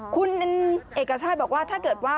คุณเอกชาติบอกว่าถ้าเกิดว่า